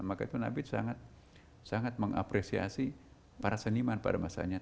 maka itu nabi sangat mengapresiasi para seniman pada masanya